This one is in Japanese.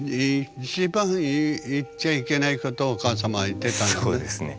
一番言っちゃいけないことをお母様は言ってたのね。